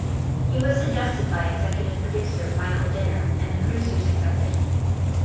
He was suggested by executive producer Michael Dinner and the producers accepted.